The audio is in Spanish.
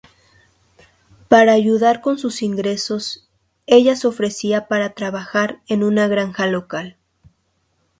Para ayudar con sus ingresos, ella se ofrece para trabajar en una granja local.